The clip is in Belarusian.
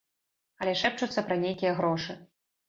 Але шэпчуцца пра нейкія грошы.